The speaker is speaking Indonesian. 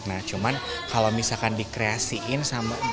nah cuman kalau misalkan dikreasiin sama